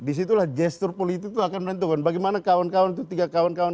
di situlah gesture politik itu akan menentukan bagaimana kawan kawan itu tiga kawan kawan